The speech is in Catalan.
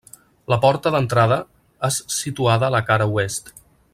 La porta d'entrada és c situada a la cara oest.